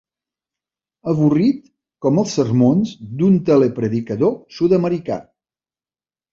Avorrit com els sermons d'un telepredicador sudamericà.